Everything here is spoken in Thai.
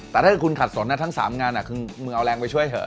แต่ถ้าคุณขัดสนทั้ง๓งานคือมึงเอาแรงไปช่วยเถอ